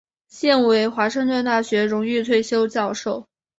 现为华盛顿大学荣誉退休教授。